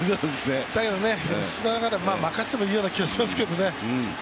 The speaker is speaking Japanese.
だけど吉田なら任せてもいいような気はしますけどね。